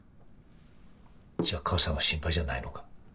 じゃあ母さんは心配じゃないのか？